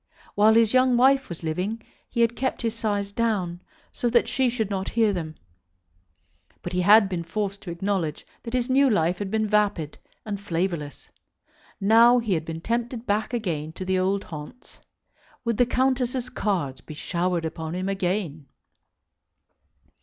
While his young wife was living he had kept his sighs down, so that she should not hear them; but he had been forced to acknowledge that his new life had been vapid and flavourless. Now he had been tempted back again to the old haunts. Would the Countesses' cards be showered upon him again?